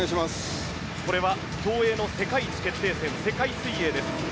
これは競泳の世界一決定戦、世界水泳です。